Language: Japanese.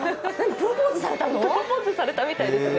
プロポーズされたみたいですね。